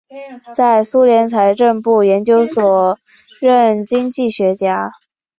在苏联财政部研究所任经济学家。